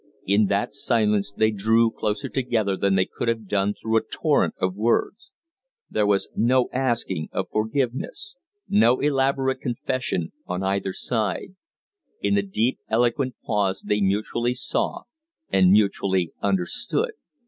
In that silence they drew closer together than they could have done through a torrent of words. There was no asking of forgiveness, no elaborate confession on either side; in the deep, eloquent pause they mutually saw and mutually understood.